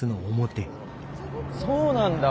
そうなんだ。